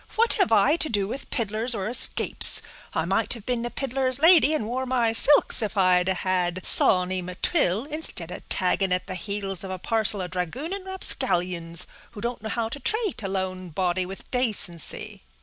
"What have I to do with piddlers, or escapes? I might have been a piddler's lady, and wore my silks, if I'd had Sawny M'Twill, instead of tagging at the heels of a parcel of dragooning rapscallions, who don't know how to trate a lone body with dacency."